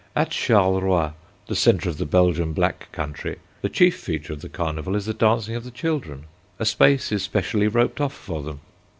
At Charleroi, the centre of the Belgian Black Country, the chief feature of the Carnival is the dancing of the children. A space is specially roped off for them.